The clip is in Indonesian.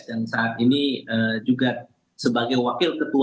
dan saat ini juga sebagai wakil ketua